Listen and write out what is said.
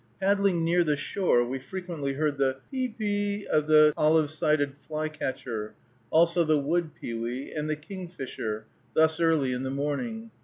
Paddling near the shore, we frequently heard the pe pe of the olive sided flycatcher, also the wood pewee, and the kingfisher, thus early in the morning.